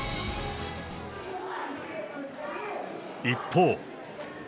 一方。